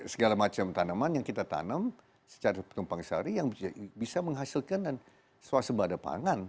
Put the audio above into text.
segala macam tanaman yang kita tanam secara tumpang sari yang bisa menghasilkan swasembada pangan